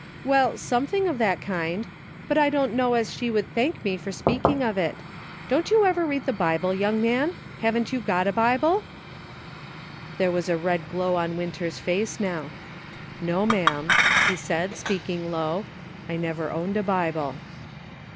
" Well, something of that kind ; but I don't know as she would thank me for speaking of it ; don't you ever read the Bible, young man ? Haven't you got a Bible .•" There was a red glow on Winter's face now. " No, ma'am," he said, speaking low, " I never owned a Bible."